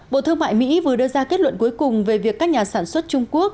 bộ thương mại mỹ vừa đưa ra kết luận cuối cùng về việc các nhà sản xuất trung quốc